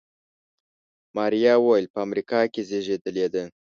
ماريا وويل په امريکا کې زېږېدلې ده.